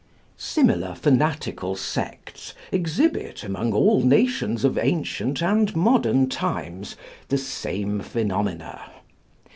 Similar fanatical sects exhibit among all nations of ancient and modern times the same phenomena.